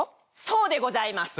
そうでございます。